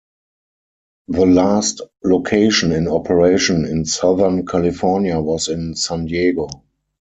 The last location in operation in Southern California was in San Diego.